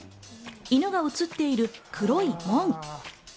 犬が写っている黒い門。